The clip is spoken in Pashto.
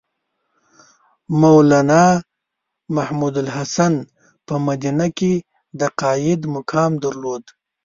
مولنا محمودالحسن په مدینه کې د قاید مقام درلود.